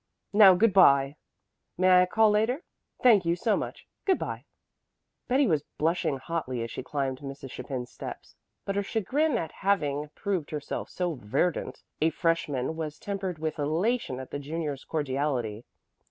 Now good bye. May I call later? Thank you so much. Good bye." Betty was blushing hotly as she climbed Mrs. Chapin's steps. But her chagrin at having proved herself so "verdant" a freshman was tempered with elation at the junior's cordiality.